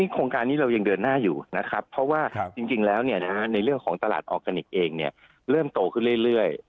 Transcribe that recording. โครงการนี้เรายังเดินหน้าอยู่นะครับเพราะว่าจริงแล้วในเรื่องของตลาดออร์แกนิคเองเริ่มโตขึ้นเรื่อย